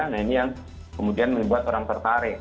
nah ini yang kemudian membuat orang tertarik